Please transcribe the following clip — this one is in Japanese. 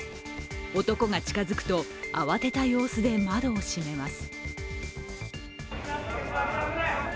男が近付くと慌てた様子で窓を閉めます。